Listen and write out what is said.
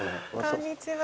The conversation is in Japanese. こんにちは。